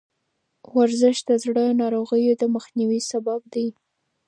ورزش د زړه ناروغیو د مخنیوي سبب دی.